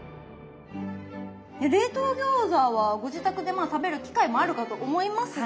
冷凍餃子はご自宅でまあ食べる機会もあるかと思いますが。